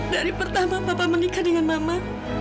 dari pertama papa mengikat dengan mama